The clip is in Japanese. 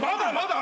あ！